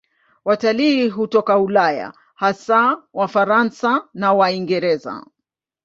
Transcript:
Watalii hutoka Ulaya, hasa Wafaransa na Waingereza.